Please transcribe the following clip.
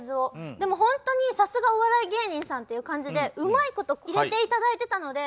でもホントにさすがお笑い芸人さんっていう感じでうまいこと入れて頂いてたので。